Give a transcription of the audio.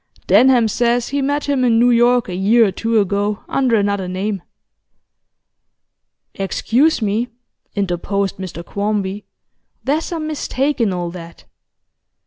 'Denham says he met him in New York a year or two ago, under another name. 'Excuse me,' interposed Mr Quarmby, 'there's some mistake in all that.